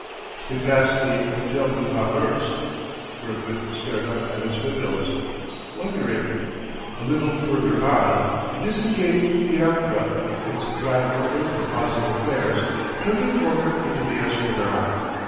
They passed the Hôtel du Commerce. Kirkwood stared up at its windows, wondering.... A little farther on, a disengaged fiacre, its driver alert for possible fares, turned a corner into the esplanade.